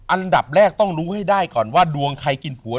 อันดับแรกต้องรู้ให้ได้ก่อนว่าดวงใครกินผัว